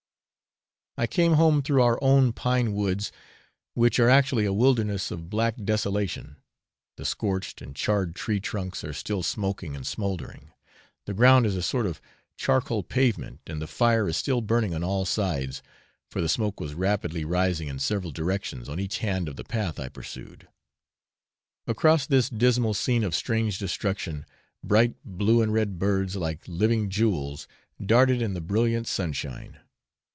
I came home through our own pine woods, which are actually a wilderness of black desolation. The scorched and charred tree trunks are still smoking and smouldering; the ground is a sort of charcoal pavement, and the fire is still burning on all sides, for the smoke was rapidly rising in several directions on each hand of the path I pursued. Across this dismal scene of strange destruction, bright blue and red birds, like living jewels, darted in the brilliant sunshine.